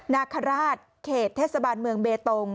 นาคาราชเขตเทศบาลเมืองเบตง